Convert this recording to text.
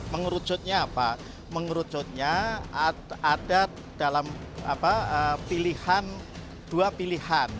mengerucutnya apa mengerucutnya ada dalam pilihan dua pilihan